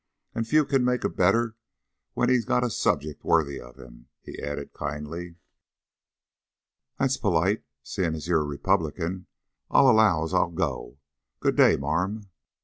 "And few can make a better when he's got a subject worthy of him," he added kindly. "That's perlite, seein' as you're a Republican. I allow as I'll go. Good day, marm.